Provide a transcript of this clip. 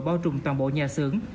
bao trùng toàn bộ nhà sưởng